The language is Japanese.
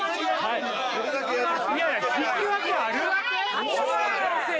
いやいや引き分けある？